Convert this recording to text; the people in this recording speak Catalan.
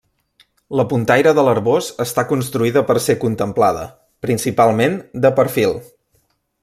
La puntaire de l'Arboç està construïda per ser contemplada, principalment, de perfil.